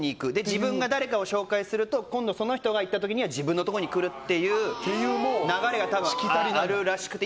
自分が誰かを紹介すると今度、その人が行った時には自分のところに来るっていう流れがあるらしくて。